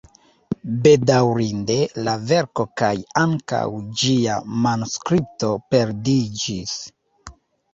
Bedaŭrinde la verko kaj ankaŭ ĝia manuskripto perdiĝis.